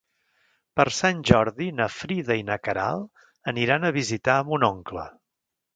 Per Sant Jordi na Frida i na Queralt aniran a visitar mon oncle.